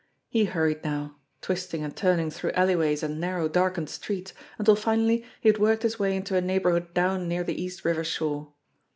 He hurried now, twisting and turning through alleyways and narrow, darkened streets, until finally he had worked his way into a neighbourhood down near the East River shore.